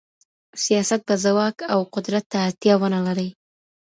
سیاست به ځواک او قدرت ته اړتیا ونه لري.